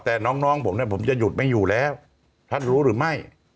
แต่น้องผมเนี่ยผมจะหยุดไม่อยู่แล้วท่านรู้หรือไม่